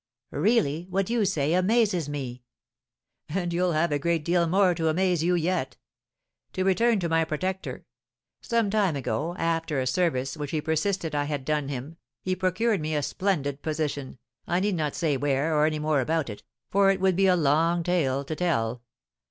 "Really, what you say amazes me!" "Ah, you'll have a great deal more to amaze you yet! To return to my protector: Some time ago, after a service which he persisted I had done him, he procured me a splendid position, I need not say where, or any more about it, for it would be a long tale to tell.